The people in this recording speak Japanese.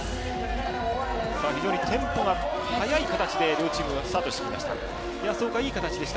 非常にテンポが速い形で両チームスタートしてきました。